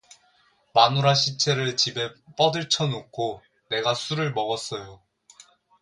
마누라 시체를 집에 뻐들쳐 놓고 내가 술을 먹었어요